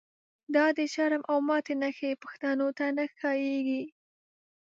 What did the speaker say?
دا دشرم او ماتی نښی، پښتنوته نه ښاییږی